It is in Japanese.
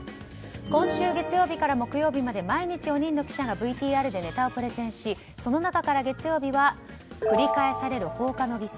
今週月曜日から木曜日まで毎日４人の記者がＶＴＲでネタをプレゼンしその中から、月曜日は繰り返される放火の犠牲